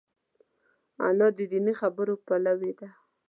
انا د دیني خبرو پلوي ده